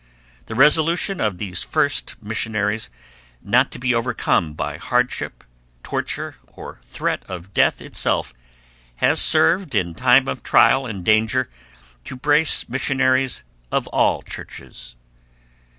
The resolution of these first missionaries, not to be overcome by hardship, torture, or threat of death itself, has served in time of trial and danger to brace missionaries of all churches.